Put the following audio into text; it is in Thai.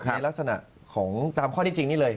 ในลักษณะของตามข้อที่จริงนี่เลย